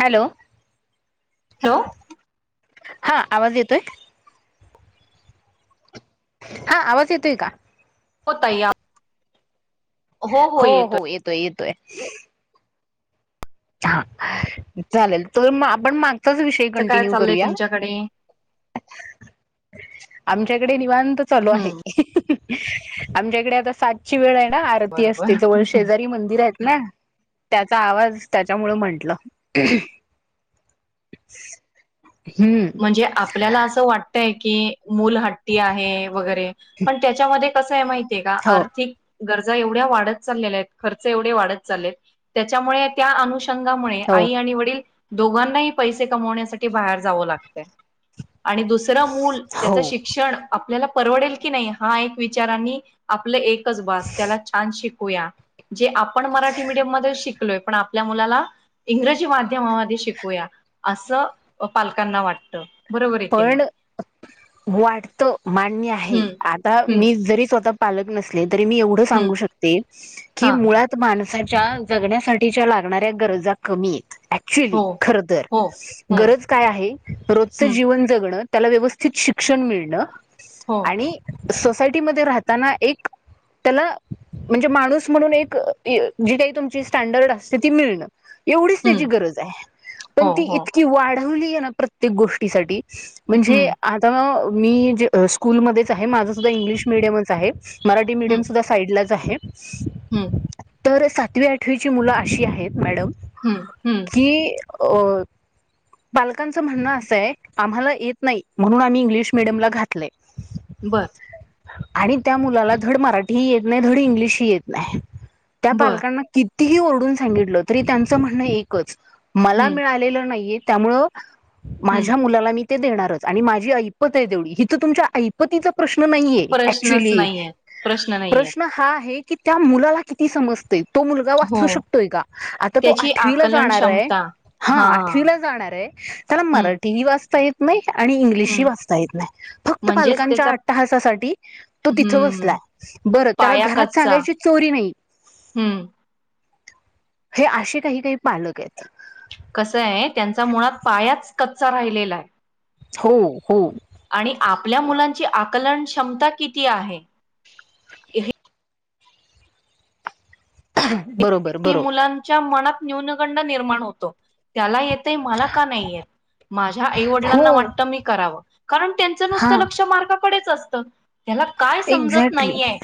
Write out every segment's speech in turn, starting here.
Hello hello हा आवाज येतोय हा आवाज येतोय का हो ताई या हो हो येतोय येतोय हा चालेल तु आपण माग विषय असं काय कंटिन्यू चाललंय करूया तुमच्याकडे आमच्याकडे निवांत चालू आहे हम्म आमच्याकडे आता सातची वेळ आहे आरती बरोबर असते जवळ शेजारी मंदिर आहेत ना त्याचा आवाज त्याच्यामुळं म्हटलं म्हणजे आपल्याला असं वाटतय की मूल हट्टी आहे वगैरे पण त्याच्यामध्ये कसं आहे माहितीय का हो आर्थिक गरजा एवढ्या वाढत चाललेल्या आहेत खर्च एवढे वाढत चालले आहेत त्यांच्यामुळे त्यामुळे हो आई आणि वडील दोघांनाही पैसे कमवण्यासाठी बाहेर जावं लागते आणि दुसरं मूल त्याचं हो शिक्षण आपल्याला परवडेल की नाही हा एक विचारांनी आपलं एकच बास त्याला छान शिकूया जे आपण मराठी मिीडियम मध्ये शिकलोय पण आपल्या मुलाला इंग्रजी माध्यमामध्ये शिकवूया असं पालकांना वाटत पण वाटत मान्य आहे हम्म आता हम्म मी जरी स्वतः ल नसले तरी मी एव हम्म सांगू शकते क हा मुळात जगण्यासाठीच्या लागणाऱ्या गरजा कमी आहेत हो अऍक्चुली खर तर हो हम्म गरज काय आहे हम्म त्या व्यवस्थित शिक्षण हो सोसायटीमध्ये राहताना एक त्याला म्हणजे माणूस म्हणून एक जी काही तुमची स्टँडर्ड असते ती मिळण एवढीच त्याची हम्म गरज आहे पण हो ती हो इतकी वाढवली आहे ना प्रत्येक गोष्टीसाठी म्हणजे हम्म आता मीे स्कूलमध्येच आहे माझं सुद्धा इंग्लिश मिडियमच आहे मराठी मिडियम हम्म सुद्धा साईडलाच आहे हम्म तर सातवी आठवीची मुलं अशी आहेत मॅडम हम्म हम्म की अ पालकांच म्हणणं असंय. आम्हाला येत नाही म्हणून आम्ही इंग्लिश मिडियमला घातलयं. बर. आणि त्या मुलाला धड मराठीही येत नाही धड इंग्लिश ह येत नाही त्या बर पालकांना किती. तिही ओरडून सांगितलं तरी त्यांचं म्हणणं एकच मला हम्म मिळालेलं नाहीयेत. त्यामुळं हम्म माझ्या मुलाला मी ते देणारच आणि माझी ऐपतहि आहे तेवढी.. इथ तुमच्या ऐपतीच- प्रश्न नाहीये प्रश्नच ऍक्च्युली नाहीये नाहीये प्रश्न हा आहे. कि त्या मुलाला किती समजतेय. तो मुलगा हो वाचू शकतोय का आता तो त्याची आठवीला आकलन जाणार आहे. क्षमता हा आठवीला जाणार आहे त्याला हम्म मराठीही वाचता येत नाही. आणि इंग्लिश ह हम्म वाचता येत नाही फक्त म्हणजेच पालकांच्या त्याचा अट्टाहासासाठी तो तिथं हम्म बसलाय. बरं त्याला पाया घरात कच्चा सांगायची चोरी नाही. हम्म हे असे काही काही पालक आहेत. कस आहे त्यांचा मुळात पायाच कच्चा राहिलेला आहे. हो हो आणि आपल्या मुलांची आकलनश- क्षमता किती आहे. ह की मुलांच्या मनात न्यूनगंड निर्माण होतो. त्याला- ते मला का नाहीयेत माझ्या हो आईवडिलांना वाटतं मी करावं. कारण त्यांचं हा नुसतं लक्ष मार्ककडेच असतं. त्याला काय समजत एक्झॅक्टली नाहीये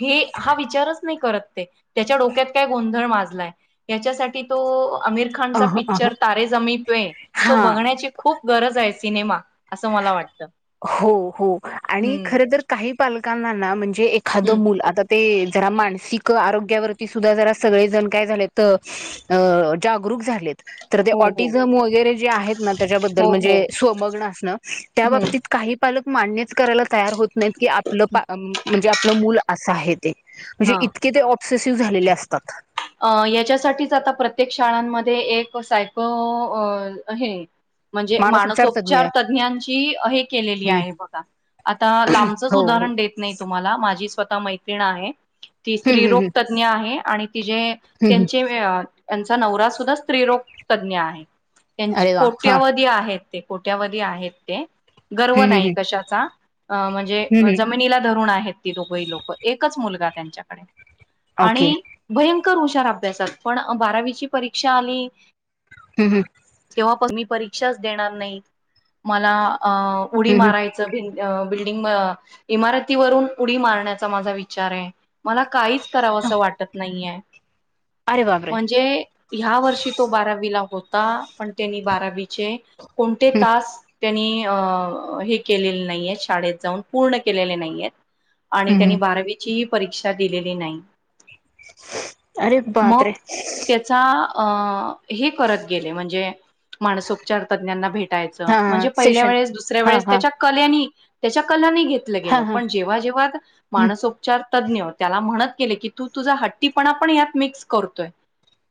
हे हा विचारच नाही करत. त्याच्या डोक्यात काय गोंधळ माजलाय. याच्यासाठी तो अ... आमिर खानचा अ पिक्चर तारे जमी पे.. तो हां. बघण्याची खूप- गरज आहे सिनेमा असं मला वाटतं. हो हो आणि हम्म खर तर काही पालकांना म्हणजे - जे एखाद हम्म मुल आ ते जरा मानसिक. आरोग्यावरती सुद्धा जरा सगळेजण काय झालेत अ- जागरूक झालेत. तर ते हो हो ओटीजनम वैगेरे जे आहेत ना त्याच्याबद्ल हो म्हणजे हो सोमगण असण. हम्म एक एक पालक मान्यच करायला तयार होत नाहीत की आपलं म्हणजे आपलं मूल असं आहे ते. म्हणजे हा इतके ते ऑप्सेसिव्ह झालेले असतात. अ याच्यासाठीच आता प्रत्येक शाळांमध्ये एक सायको अ... अ.. हे. म्हणजे मानसोपचार तज्ञ माणसोपचार तज्ञांची हे केलेली हं. आहे बघा. आता लांबचच हो, हो. उदाहरण देत नाही तुम्हाला माझी स्वतः मैत्रिण आहे ती हं, हं, स्त्रीरोग हं. तज्ज्ञ आहे आणि ति जे हं, हं. त्यांचे यांचा नवरा सुद्धा स्त्रीरोग तज्ञ आहे त्यांची अरे वाह! हां. कोट्यावधी आहेत. ते कोठ्यावधी आहेत ते गर्व हं, हं, नाही हं. कशाचा. अ म्हणजे हं, हं. जमिनीला धरुण आहेत ती दोघही लोक एकच मुलगा त्यांच्याकडे. ओके. आणि भयंकर हुशार अभ्यासात पण बारावीची परीक्षा आली. हं, हं. तेव्हा पण मी परीक्षाच देणार नाही. मला.. अ उडी हं, हं. मारायचं भिन. बिल्डिंग इमारतीवरून उडी मारण्याचा माझा विचार आहे. मला काहीच- कराव असं वाटत नाहीय अरे बापरे म्हणजे- ह्या वर्षी तो बारावीला होता पण त्यांनी बारावीचे कोणते हं, तास- त्यांनी अ हे केलेले नाही आहेत शाळेत जाऊन पूर्ण केलेले नाहीय आहेत. आणि हं, त्यांनी हं. बारावीचीही परीक्षा दिलेली नाही अरे मग बापरे त्याचा. अ हे करत गेले म्हणजे माणसोपचार तज्ञांना भेट टायच, हा हा म्हणजे पहिला सेशन वेळस, दुसऱ्या हा वेळसं हा त्याचा कलेने त्याच्या कलांनी. घेतलं हा गेलं हा पण जेव्हा जेव्हा हं, मानसउपचार तज्ञ त्याला म्हणत गेली की. तू तुझा हट्टीपणा पण यात मिक्स करतोय.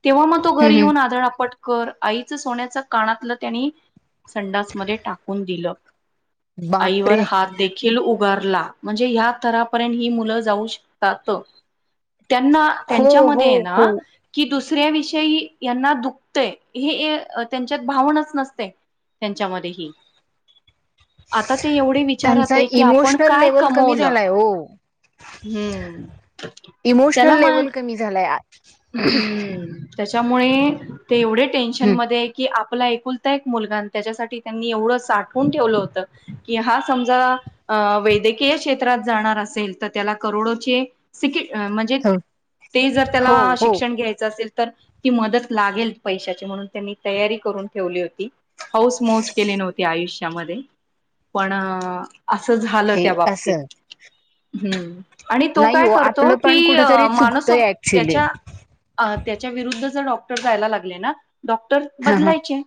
तेव्हा मग तो हं, घरी हं. येऊन आदळपट कर आईचं सोन्याच कानातलं त्यानी संडासमध्येध्ये टाकून दिलं आईवर बापरे हात देखील उ गारला. म्हणजे ह्या थरापर्यंत ही मुलं जाऊ शकतात त्यांना हो त्यांच्यामध्ये हो आहे ना हो की दुस विषयी यांना दुखतेय हे त्यांच्यात भावनाच नसते. त्यांच्यामध्येही आता ते एवढे विचारात त्यांचा आहे की आपण इमोशनल काय लेवल कमी कमवलं झालाय हो हम्म त्याला इमोशनल मग लेवल कमी झालाय आ हम्म. त्याच्यामुळे ते एवढे टेन्शन हं, मध्ये आहे की आप पला एककुलता एक मुलगा आणि त्याच्यासाठी त्यांनी एवढं साठवून ठेवलं होत की हा समजा वैद्यकीय क्षेत्रात जाणार असेल तर त्याला करोडोचे सी हो ते जर हो त्याला हो शिक्षण घ्यायचं असेल तर ती मदत लागेल पैशाची म्हणून त्यांनी तयारी करून ठेवली होती हौस मौज केली नव्हती आयुष्यामध्ये. पण असं झालं हे त्या बाबतीत असं हम् आणि तो नाही काय हो करतो आपलं की पण कुठेतरी मानस चुकतंय ऍक्च्युली त्याच्या त्याच्या विरुद्ध जर डॉक्टर जायला लागले ना डॉक्टर हा हा बदलायचे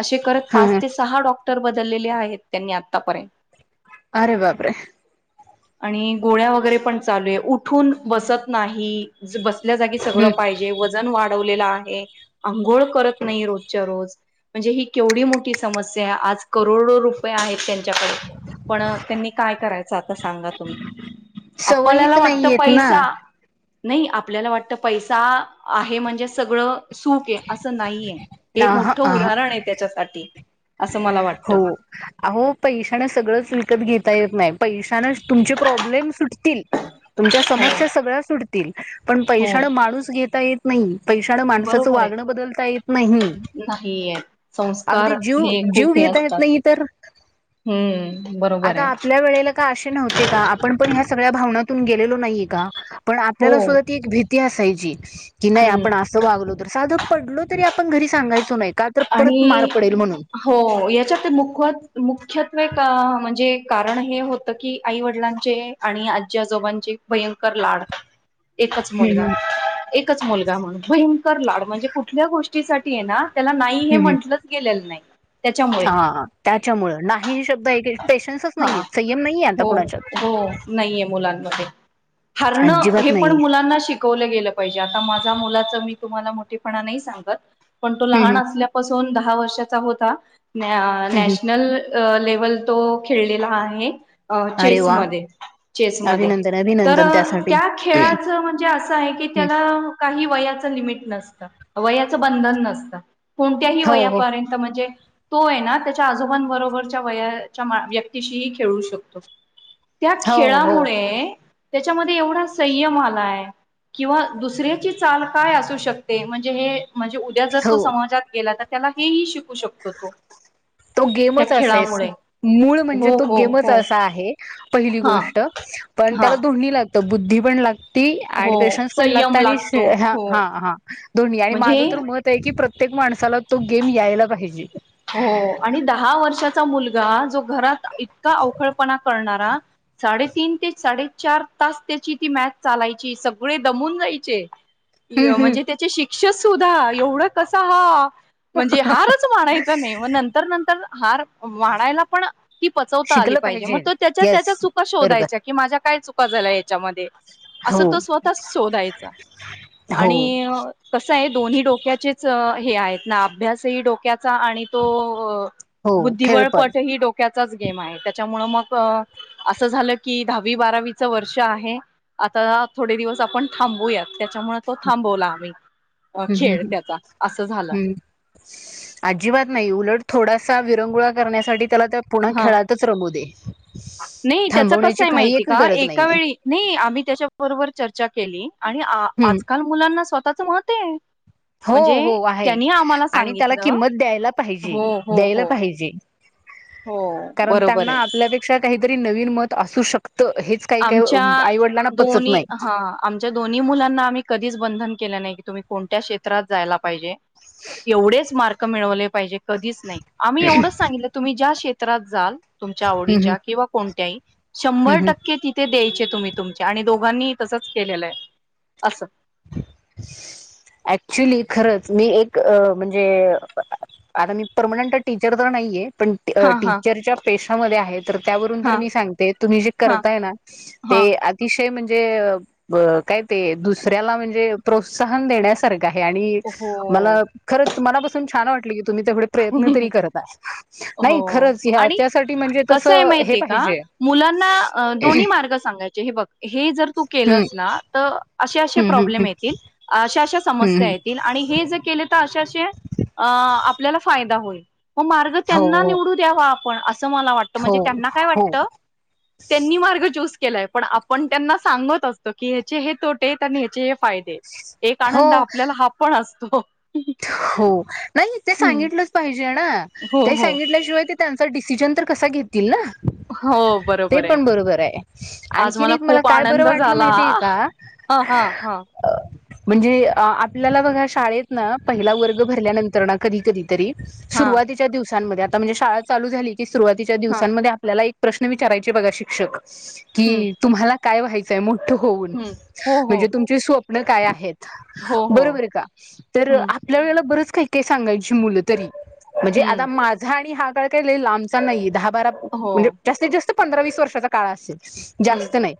असे करत हा पाच हा ते सहा डॉ क्टर बदललेले आहेत त्यांनी आतापर्यंत अरे बापरे! आणि गोळ्या वगैरे पण चालू आहे उठून बसत नाही बस बसले जागी सगळं हं. पाहिजे, वजन वाढवलेलं आहे, आंघोळ करत नाही, रोजच्या रोज म्हणजे ही केवढी मोठी समस्या आहे. आज करोडो रुपये आहेत त्यां च्याकडे पण त्यांनी काय करायच आता सांगा तुम्ही? सवयीच आपल्याला वाटत नाही येत पैसा ना नाही आपल्याला वाटत पैसा आहे म्हणजे सगळं सुख आहे असं नाहीये. हे हा मोठं हा उदाहरण आहे त्याच्यासाठी असं मला हो. वाटतं अहो पैशाने सगळंच विकत घेता येत नाही पैशानेच तुम प्रॉब्लेम सुटतील, तुमच्या हो समस्या सगळ्या सुटतील पण हो. पैशाला माणूस घेता येत नाही पैशाानं माणसाचं बरोबर वागणं आहे बदलता येत नाही. नाही आहेत संस्कार अगदी जीव हे जीव खूप हे घेता येत असतात. नाही तर हम्म बरोबर आता आहे आपल्या वेळेला काय असे नव्हते का. आपण पण ह्या सगळ्या भावना गेलेलो नाही का. पण हो आपल्याला सुद्धा ती एक भीती असायची कि नाही हम्म आपण असं वागलो तर साधं पडलो तरी आपण घरी सांगायचो नाही का तर परत मार आणि पडेल म्हणून हो याच्या ते मुख मुख्यत्वे म्हणजे कारण हे होतं की आई वडिलांचे चे आणि आज आजोबांचे भयंकर लाड एकच मुलगा, हम्म एकच मुलगा म्हण भयंकर लाड म्हणजे कुठल्या गोष्टी त्याच्यासाठी ना त्याला नाही हे हम्म म्हटलंच गेलेलं नाही त्याच्यामुळे हा त्याच्यामुळे नाही हे शब्द पेशन्सच नाहीये. हा संयम नाहीये आता हो कोणाच्यात हो नाहीये मुलांमध्ये हारणं हे पण मुलांना शिकवलं गेलं पाहिजे. आता माझ्या मुलाच मी तुम्हाला मोठेपणा नाही सांगत, पण तो लहान हम्म असल्यापासून दहा वर्षाचा होता न हम्म हम्म नॅशनल लेवल तो खेळलेला आहे अ अरे चेस वा मध्ये चेस मध्ये. अभिनंदन तर अभिनंदन त्यासाठी त्या खेळाचं म्हणजे असं आहे की हं. त्याला काही वयाच लिमिट नसतं वयाचं बंधन नसतं कोणत्याही हो हो वयापर्यंत म्हणजे तो आहे ना त्याच्या आजोबांबरोबरच्या वयाच्या व्यक्तीशीही खेळू शकतो त्या हो हो खेळामुळे त्याच्यामध्ये एवढा संयम आलाय किंवा दुसऱ्याची चाल काय असू शकते म्हणजे हे म्हणजे उद्या जर तो हो समाजात गेला तर त्याला हेही शिकू शकतो तो तो त्या गेमच असेस खेळामुळे मूळ म्हणजे हो तो हो गेमच हो असा आहे पहिली हा गोष्ट पण हा त्याला ध्वनी लागते तर बुद्धी पण लागते ती आणि हो पेशन्स पण लागतात संयम आणि लागतो ह हो हा दोन्ही आणि म्हणजे माझं तर मत आहे की प्र प्रत्येक माणसाला तो गेम यायला पाहिजे हो आणि दहा वर्षाचा मुलगा जो घरात इतका अवखळपणा करणारा साडेतीन ते साडेचार तास त्याची ती मॅच चालायची सगळे दमून जायचे हम्म हम्म म्हणजे त्याचे शिक्षक सुद्धा एवढं कस हा म्हणजे हारच मानायचं नाही म नंतर नंतर हार वाढायला पण ती पचवता आली शिकलं पाहिजे मग तो त्याच्या येस त्याच्या चुका बरोबर शोधायच्या की माझ्या काय चुका झाल्या असं हो तो स्वतः शोधायचा हो आणि कस आहे दोन्ही डोक्याचेच हे आहेत ना अभ्यासही डोक्याचा आणि तो हो खेळ बुद्धिबळ पण. पट ही डोक्याचा गेम आहे त्यांच्यामुळे मग असं झालं की दहावी बारावीच वर्ष आहे आता थोडे दिवस आपण थांबूयात त्याच्यामुळे तो थांबवला आम्ही हं, हं, खेळ हं, त्याचा असं झालं हं. अजिबात नाही उलट थोडासा विरंगुळा करण्यासाठी त्याला त्या पुन्हा ह खेळातच रंगू दे नाही त्याच कसे थांबवण्याची आहे काही माहिती एक का गरज एका नाहीये. वेळी नाही आम्ही त्याच्याबरोबर चर्चा चर्चा केली आणि हं. आजकाल मुलांना स्वतःच मत आहे हो म्हणजे हो आहे त्यांनी आम्हाला आणि त्याला सांगितलं किंमत द्यायला पाहिजे हो हो द्यायला हो पाहिजे हो कारण बरोबर त्यांना आहे आपल्यापेक्षा काहीतरी नवीन मत असू शकते आमच्या पचत दोन्ही नाही. हा आमच्या दोन्ही मुलांना आम्ही कधीच बंधन केलं नाही तुम्ही कोणत्या क्षेत्रात जायला पाहिजे एवढेच मार्क मिळवले पाहिजे कधीच नाही आम्ही एवढंच सांगितलं तुम्ही ज्या क्षेत्रात जाल तुमच्या हं, हं, आवडीच्या किंवा कोणत्याही हं, शंभर हं. टक्के थे द्यायचे तुम्ही तुमच्या आणि दोघांनी तसचे केलेलं आहे असे ऍक्चुली खरंच मी एक म्हणजे आता मी परर्मनंट टीचर तर नाहीये पण हा हा टीचरच्या पेशामध्ये आहे तर त्यावरून तर हा मी सांगते तुम्ही जे हा करताय ना ते हा अतिशय ते म्हणजे दुसऱ्याला प्रोत्साहन देण्यासारखा आहे आणि हो मला खरच मनापासून छान वाटली तुम्ही तेवढ प्रयत्न तरी करताय हो नाही खरंच ह्या आणि त्यासाठी म्हणजे कसं आहे तसं हे माहितीय का पाहिजे मुलांना दोन्ही मार्ग सांगायचे हे बघ हे जर तू हम्म केलंच ना तर असे असे हम्म हम्म प्रॉब्लेम येतील अशा अशा हम्म समस्या हम्म येतील आणि हे ज के असे असे आपल्याला फायदा होईल मार्ग त्यांना हो निवडू द्यावा आप असं हो म्हणजे त्यांना काय हो वाट त्यांनी मार्ग चूस केलाय पण आपण त्यांना सांगत असतो की ह्याचे हे तोट आहेत आणि ह्याचे हे फायदे एक हो आनंद आपल्याला हा पण असतो हो नाही ते हम्म सांगितलंच पाहिजे ना हो ते हो सांगितल्याशिवाय ते त्यांचा डिसिजन तर कसा घेतील ना हो ते बरोबर आहे पण बरोबर आहे आणखीन एक मला काय बरं वाटलं माहितीय का हा हा हा म्हणजे आपल्याला बघा शाळेत ना पहिला वर्ग भरल्यानंतर ना कधी कधी तरी हां, सुरुवातीच्या दिवसांमध्ये आता म्हणजे शाळा चालू झाली की सुरुवातीच्या हां. दिवसांमध्ये आपल्याला एक प्रश्न विचारायचे बघा शिक्षक हं, की तुम्हाला काय व्हायचंय हं. हो, हो. म्हणजे तुम स्वप्न काय आहेत हो, हो. बरोबर आहे का हं, वेळेला बरंच काय काय सांगायची मुले तरी म्हणजे आता हं. माझा आणि हा काळ काही काचा लांब नाही दहा बर हो. म्हणजे जास्तीत जास्त पंधरा वीस वर्षाचा काळा असेल हं, जास्त नाही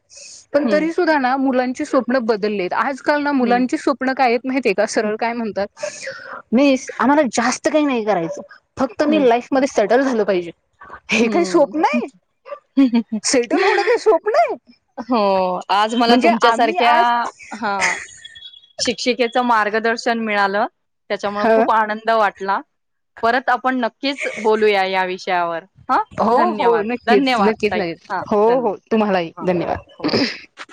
पण हं, तरी सुधा ना मुलांचे स्वप्न बदललेत आज आज काल नां हं, मुलांची स्वप्न काय आहेत माहित का हं, सरळ काय म्हणतात म आम्हाला जात काही नाही करायचं फक्त मी हं, लाईफ मध्ये सेटल झालं पाहिजे हे काही हं. स्वप्न आहे सेटल होणं काही स्वप्न आहे हो आज मला म्हणजे तुमच्या आम्ही सारख्या आज हा शिक्षिकेच मार्गदर्शन मिळालं त्याच्यामुळे खूप आनंद वाटला परत आपण आपण नक्कीच बोलूया या विषयावर हां, हो हो धन्यवाद. नक्कीच धन्यवाद नक्कीच ताई. नाही हां, हो हो धन्यवाद. तुम्हालाही हां. हो. धन्यवाद